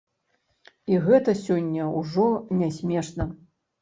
І гэта сёння ўжо не смешна.